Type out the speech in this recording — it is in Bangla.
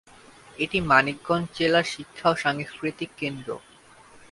এটি মানিকগঞ্জ জেলার শিক্ষা ও সাংস্কৃতিক কেন্দ্র।